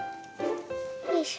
よいしょ。